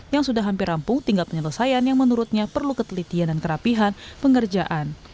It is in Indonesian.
yang sudah hampir rampung tinggal penyelesaian yang menurutnya perlu ketelitian dan kerapihan pengerjaan